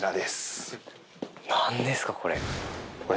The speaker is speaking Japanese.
なんですか、これ。